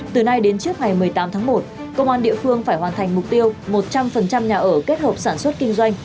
từ nay đến trước ngày một mươi tám tháng một công an địa phương phải hoàn thành mục tiêu một trăm linh nhà ở kết hợp sản xuất kinh doanh